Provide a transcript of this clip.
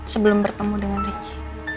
sebelum bertemu dengan ricky